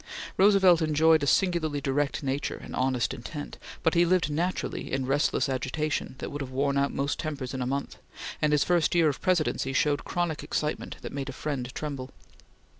Roosevelt enjoyed a singularly direct nature and honest intent, but he lived naturally in restless agitation that would have worn out most tempers in a month, and his first year of Presidency showed chronic excitement that made a friend tremble.